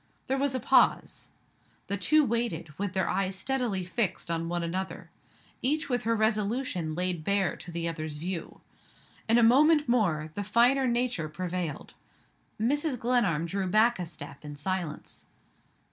There was a pause. The two waited, with their eyes steadily fixed on one another each with her resolution laid bare to the other's view. In a moment more, the finer nature prevailed. Mrs. Glenarm drew back a step in silence.